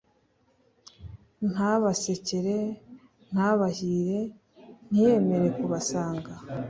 ntabasekere: ntabahire, ntiyemere kubasanga